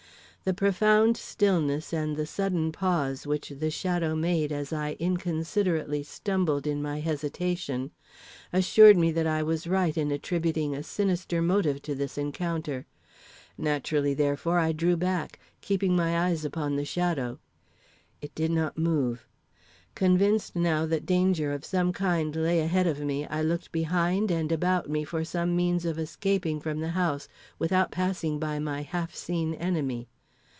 The profound stillness, and the sudden pause which the shadow made as I inconsiderately stumbled in my hesitation, assured me that I was right in attributing a sinister motive to this encounter. Naturally, therefore, I drew back, keeping my eyes upon the shadow. It did not move. Convinced now that danger of some kind lay ahead of me, I looked behind and about me for some means of escaping from the house without passing by my half seen enemy.